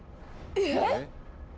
えっ！